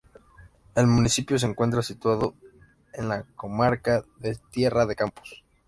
El municipio se encuentra situado en la comarca de Tierra de Campos.